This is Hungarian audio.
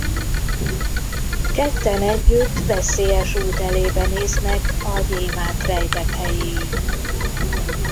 Ketten együtt veszélyes út elébe néznek a gyémánt rejtekhelyéig.